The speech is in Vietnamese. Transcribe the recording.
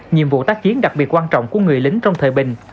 nhiệm vụ tác chiến đặc biệt quan trọng của người lính trong thời bình